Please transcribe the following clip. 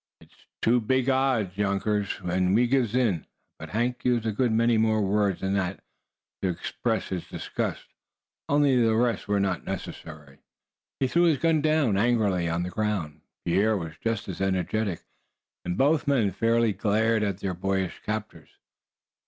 "It's too big odds, younkers, an' we gives in;" but Hank used a good many more words than this to express his disgust, only the rest were not at all necessary. He threw his gun down angrily on the ground; Pierre was just as energetic, and both men fairly glared at their boyish captors.